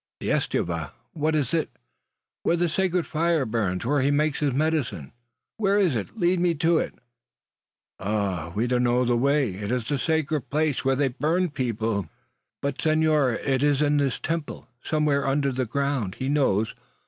"The estufa! what is it?" "Where the sacred fire burns; where he makes his medicine." "Where is it? lead me to it!" "Ay de mi! we know not the way. It is a sacred place where they burn people! Ay de mi!" "But, senor, it is in this temple; somewhere under the ground. He knows.